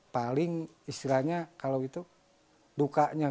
paling istilahnya kalau itu dukanya